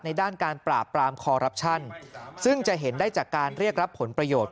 ด้านการปราบปรามคอรับชันซึ่งจะเห็นได้จากการเรียกรับผลประโยชน์